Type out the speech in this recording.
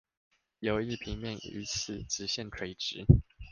有一平面與此直線垂直